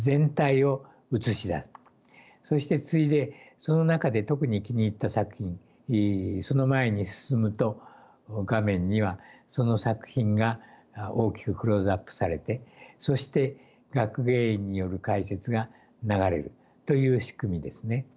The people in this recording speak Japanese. そして次いでその中で特に気に入った作品その前に進むと画面にはその作品が大きくクローズアップされてそして学芸員による解説が流れるという仕組みですね。